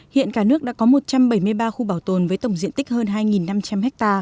hiện cả nước đã có một trăm bảy mươi ba khu bảo tồn với tổng diện tích hơn hai năm trăm linh ha